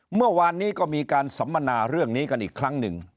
เมื่อวานนี้ก็มีการสัมมนาเรื่องนี้กันอีกครั้งหนึ่ง